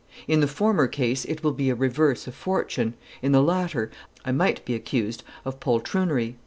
In the former case it will be a reverse of fortune, in the latter I might be accused of poltroonery."